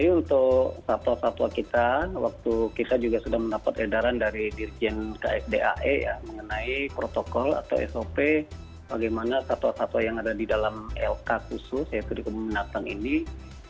jadi untuk satwa satwa kita waktu kita juga sudah mendapat edaran dari dirjen kfdae ya mengenai protokol atau sop bagaimana satwa satwa yang ada di dalam lk khusus ya kebun binatang ini untuk mengantisipasi